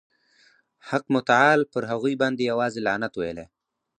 حق متعال پر هغوی باندي یوازي لعنت ویلی.